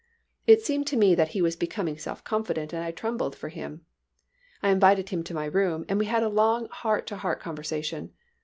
It seemed to me that he was becoming self confident and I trembled for him. I invited him to my room and we had a long heart to heart conversation.